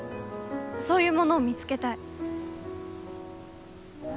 そういうものを見つけたい。